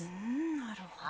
なるほど。